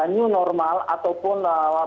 new normal ataupun